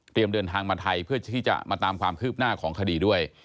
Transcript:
เดินทางมาไทยเพื่อที่จะมาตามความคืบหน้าของคดีด้วย